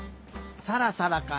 「サラサラ」か。